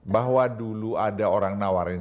bahwa dulu ada orang nawarin